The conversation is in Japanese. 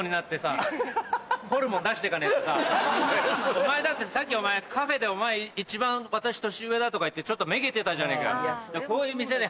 お前だってさっきお前カフェで「一番私年上だ」とか言ってちょっとめげてたじゃねえか？